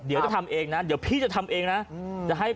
เดี๋ยวจะทำเองนะเดี๋ยวพี่จะทำเองนะ